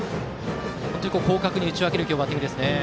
本当に広角に打ち分けるバッティングですね。